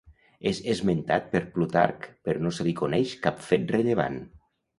És esmentat per Plutarc però no se li coneix cap fet rellevant.